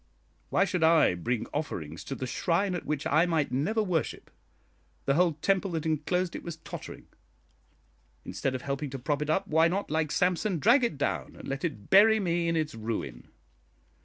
Why should I bring offerings to the shrine at which I might never worship? The whole temple that enclosed it was tottering. Instead of helping to prop it up, why not, like Samson, drag it down and let it bury me in its ruin?